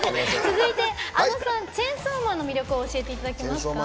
続いて、ａｎｏさん「チェンソーマン」の魅力を教えていただけますか？